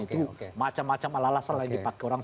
itu macam macam alasan yang dipakai orang